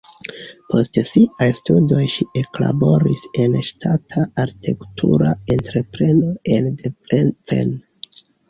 Post siaj studoj ŝi eklaboris en ŝtata arkitektura entrepreno en Debrecen.